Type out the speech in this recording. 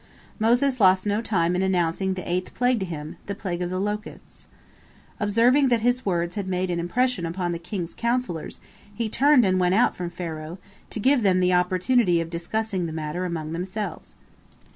Moses lost no time in announcing the eighth plague to him, the plague of the locusts. Observing that his words had made an impression upon the king's counsellors, he turned and went out from Pharaoh, to give them the opportunity of discussing the matter among themselves.